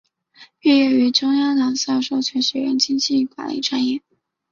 毕业于中央党校函授学院经济管理专业。